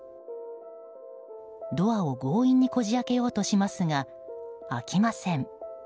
ドアを強引にこじ開けようとしますが開きません。